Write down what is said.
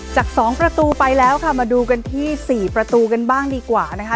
จาก๒ประตูไปแล้วค่ะมาดูกันที่๔ประตูกันบ้างดีกว่านะคะ